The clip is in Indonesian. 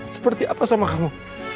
seperti apa sama kamu